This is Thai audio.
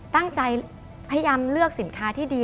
ตั้งใจพยายามเลือกสินค้าที่ดี